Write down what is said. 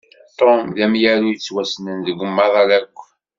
Tom d amyaru yettwassnen deg umaḍal akk.